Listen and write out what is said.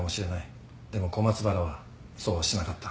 でも小松原はそうはしなかった。